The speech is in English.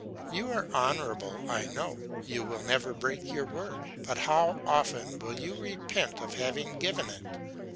You are honourable, I know; you will never break your word, but how often will you repent of having given it?